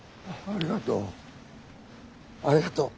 ありがとう。